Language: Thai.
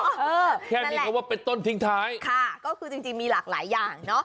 เออแค่มีคำว่าเป็นต้นทิ้งท้ายค่ะก็คือจริงจริงมีหลากหลายอย่างเนอะ